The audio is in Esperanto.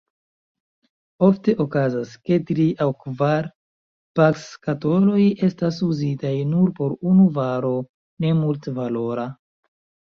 Ofte okazas, ke tri aŭ kvar pakskatoloj estas uzitaj nur por unu varo nemultvalora.